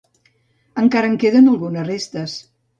Encara en queden algunes restes.